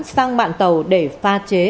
xăng mạng tàu để pha chế